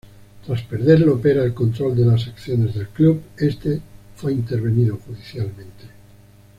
Tras perder Lopera el control de las acciones del club, este fue intervenido judicialmente.